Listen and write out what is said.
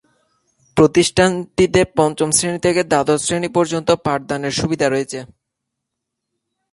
প্রতিষ্ঠানটিতে পঞ্চম শ্রেণি থেকে দ্বাদশ শ্রেণি পর্যন্ত পাঠদানের সুবিধা রয়েছে।